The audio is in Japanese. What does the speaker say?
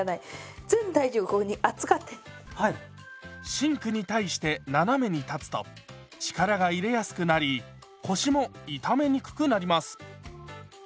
シンクに対して斜めに立つと力が入れやすくなり腰も痛めにくくなります。